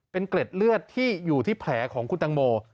เป็นเกล็ดเลือดที่อยู่ที่แผลของคุณตังโม